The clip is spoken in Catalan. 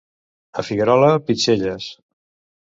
A Figuerola, pitxelles.